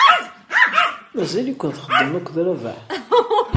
Mazal-iken txeddmem akked Rabaḥ?